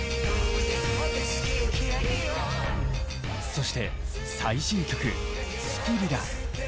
そして最新曲「スピリラ」。